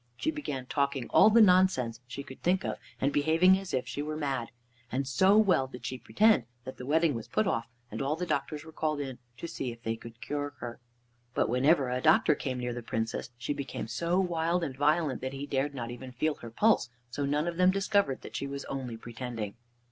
She began talking all the nonsense she could think of and behaving as if she were mad, and so well did she pretend, that the wedding was put off, and all the doctors were called in to see if they could cure her. But whenever a doctor came near the Princess she became so wild and violent that he dared not even feel her pulse, so none of them discovered that she was only pretending.